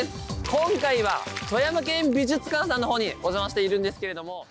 今回は富山県美術館さんのほうにお邪魔しているんですけども。